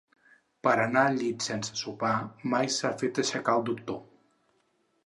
Per anar al llit sense sopar, mai s'ha fet aixecar el doctor.